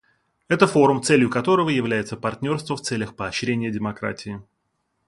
Это форум, целью которого является партнерство в целях поощрения демократии.